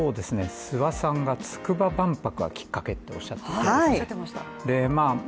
諏訪さんがつくば万博がきっかけとおっしゃっていましたよね。